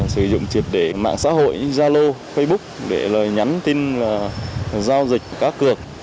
sử dụng triệt để mạng xã hội zalo facebook để nhắn tin giao dịch cá cược